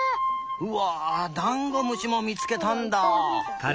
うわダンゴムシもみつけたんだ。